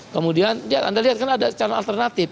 kemudian anda lihat kan ada calon alternatif